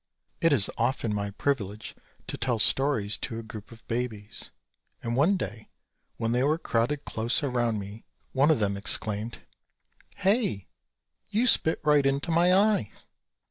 It is often my privilege to tell stories to a group of babies, and one day when they were crowded close around me one of them exclaimed "Hey, you spit right in my eye."